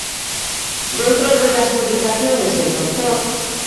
Dentro de las publicaciones del Dr.